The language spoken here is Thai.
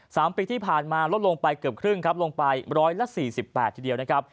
สามปีที่ผ่านมาลดลงไปเกือบครึ่งครับลงไปร้อยละสี่สิบแปดทีเดียวนะครับ